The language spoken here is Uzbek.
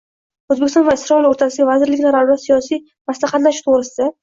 O‘zbekiston va Isroil o‘rtasidagi vazirliklararo siyosiy maslahatlashuv to‘g‘risida